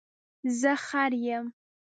زه خر یم